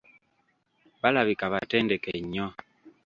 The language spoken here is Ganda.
Balabika batendeke nnyo.